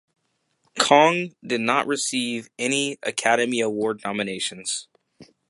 "Kong" did not receive any Academy Awards nominations.